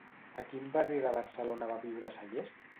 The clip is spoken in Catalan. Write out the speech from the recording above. A quin barri de Barcelona va viure Sallés?